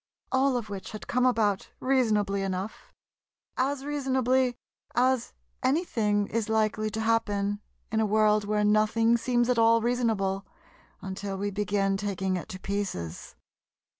All of which had come about reasonably enough—as reasonably as anything is likely to happen, in a world where nothing seems at all reasonable until we begin taking it to pieces.